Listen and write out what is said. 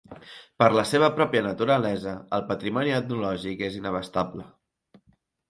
Per la seva pròpia naturalesa, el patrimoni etnològic és inabastable.